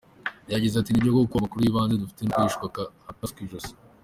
Yagize ati “Nibyo koko amakuru y’ibanze dufite ni uko yishwe akaswe ijosi.